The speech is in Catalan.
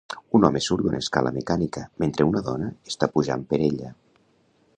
un home surt d'una escala mecànica mentre una dona està pujant per ella.